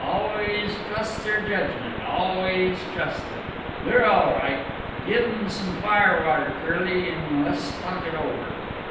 "Always trust their judgment, always trust 'em. They're all right. Give 'em some fire water, Curly, an' le's talk it over."